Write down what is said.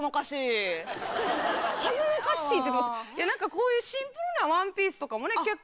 こういうシンプルなワンピースとかもね結構。